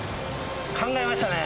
考えましたね。